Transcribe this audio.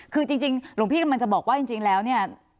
คือจริงหลวงพี่กำลังจะบอกว่าจริงแล้วเนี่ย